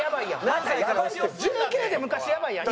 １９で昔やばいやん！